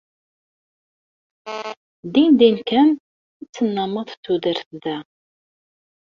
Dindin kan ad tennameḍ tudert da.